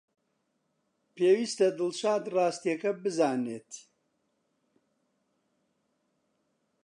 پێویستە دڵشاد ڕاستییەکە بزانێت.